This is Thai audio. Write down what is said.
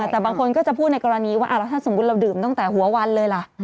แต่บางคนก็จะพูดในกรณีว่าแล้วถ้าสมมุติเราดื่มตั้งแต่หัววันเลยล่ะ